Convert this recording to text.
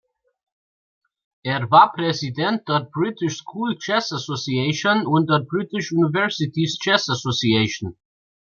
Er war Präsident der "British Schools Chess Association" und der "British Universities Chess Association".